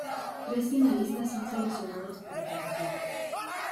Tres finalistas son seleccionados para competir.